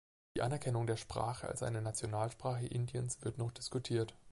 Die Anerkennung der Sprache als eine Nationalsprache Indiens wird noch diskutiert.